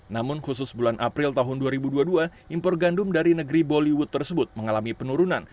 namun khusus bulan april tahun dua ribu dua puluh dua impor gandum dari negeri bollywood tersebut mengalami penurunan